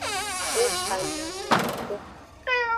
Exanamengto.